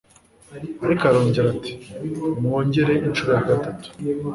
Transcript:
ariko arongera ati “nimwongere incuro ya gatatu